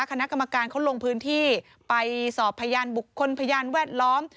คณะกรรมการเขาลงพื้นที่ไปสอบพยานบุคคลพยานแวดล้อม